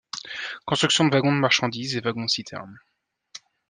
Construction de wagons de marchandises et wagons citernes.